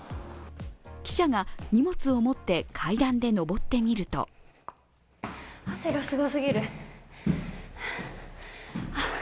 記者が荷物を持って階段で上ってみると汗がすごすぎる。